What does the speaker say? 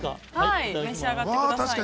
召し上がってくださいね。